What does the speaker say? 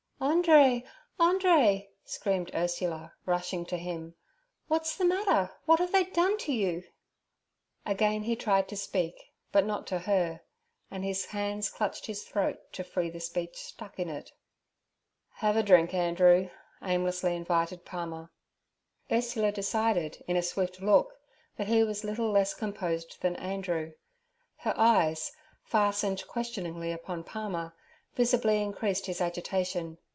'Andree, Andree!' screamed Ursula, rushing to him. 'What's the matter? What have they done to you?' Again he tried to speak, but not to her, and his hands clutched his throat to free the speech stuck in it. 'Have a drink, Andrew' aimlessly invited Palmer. Ursula decided in a swift look that he was little less composed than Andrew. Her eyes, fastened questioningly upon Palmer, visibly increased his agitation.